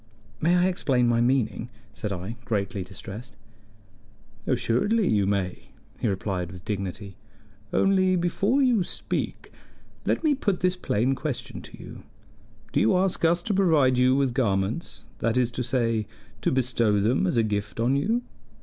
"May I explain my meaning?" said I, greatly distressed. "Assuredly you may," he replied with dignity. "Only before you speak, let me put this plain question to you: Do you ask us to provide you with garments that is to say, to bestow them as a gift on you?"